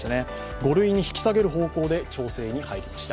５類に引き下げる方向で調整に入りました。